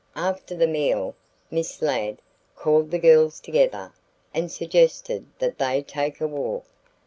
After the meal, Miss Ladd called the girls together and suggested that they take a walk.